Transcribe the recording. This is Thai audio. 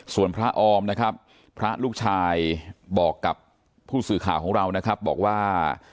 ส่วนพระออมนะครับพระลูกชายบอกกับผู้สื่อข่าวของเรานะครับบอกว่า